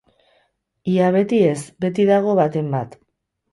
Ia beti ez, beti dago baten bat.